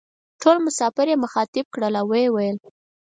ټول مسافر یې مخاطب کړل او وې ویل: